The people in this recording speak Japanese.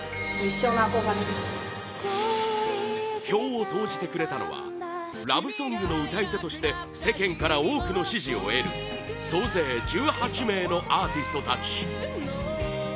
票を投じてくれたのはラブソングの歌い手として世間から多くの支持を得る総勢１８名のアーティストたち